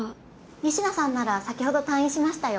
仁科さんなら先ほど退院しましたよ。